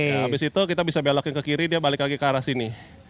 habis itu kita bisa belokin ke kiri dia balik lagi ke arah sini